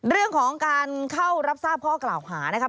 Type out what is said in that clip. เรื่องของการเข้ารับทราบข้อกล่าวหานะครับ